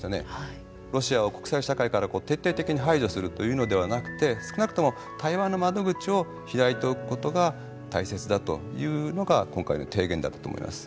ロシアを国際社会から徹底的に排除するというのでなくて少なくとも対話の窓口を開いておくことが大切だというのが今回の提言だったと思います。